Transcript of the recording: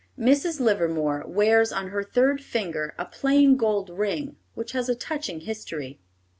Mrs. Livermore wears on her third finger a plain gold ring which has a touching history.